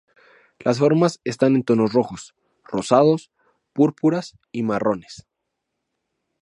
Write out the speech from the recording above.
Las formas están en tonos rojos, rosados, púrpuras y marrones.